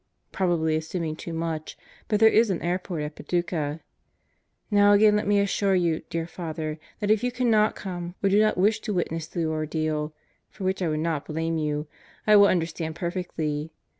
Probably assuming too much, but there is an airport at Paducah. Now again let me assure you, dear Father, that if you cannot come, or do not wish to witness the ordeal for which I would not blame you I will understand perfectly.